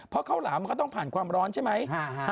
เพราะข้าวหลามมันก็ต้องผ่านความร้อนใช่ไหม